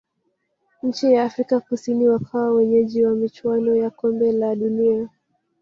nchi ya afrika kusini wakawa wenyeji wa michuano ya kombe la dunia